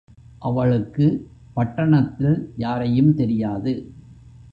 அவளுக்கு பட்டணத்தில் யாரையும் தெரியாது.